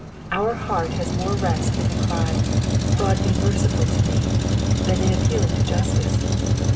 Our heart has more rest in the cry, ^^ God be merciful to me," than in appealing to justice.